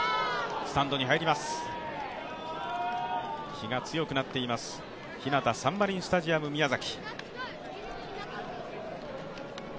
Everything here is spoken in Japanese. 日が強くなっています、ひなたサンマリンスタジアム宮崎。